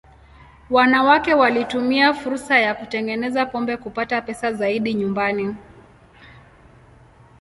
Wanawake walitumia fursa ya kutengeneza pombe kupata pesa zaidi nyumbani.